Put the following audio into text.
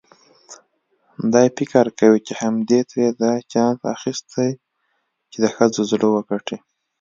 دی فکر کوي چې همدې ترې دا چانس اخیستی چې د ښځو زړه وګټي.